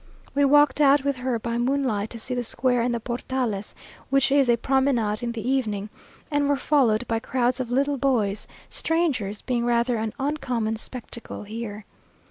We walked out with her by moonlight to see the Square and the Portales, which is a promenade in the evening, and were followed by crowds of little boys; strangers being rather an uncommon spectacle here.